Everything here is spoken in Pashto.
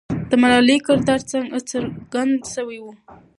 د ملالۍ کردار څرګند سوی وو.